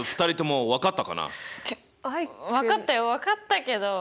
分かったよ分かったけど。